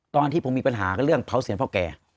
ตอนที่ผมมีปัญหากับเรื่องเผาเสียงพ่อแก่